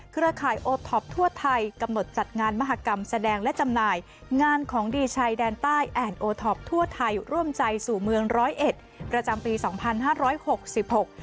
เครือข่ายโอท็อปทั่วไทยกำหนดจัดงานมหากรรมแสดงและจำหน่ายงานของดีชายแดนใต้แอนดโอท็อปทั่วไทยร่วมใจสู่เมืองร้อยเอ็ดประจำปีสองพันห้าร้อยหกสิบหก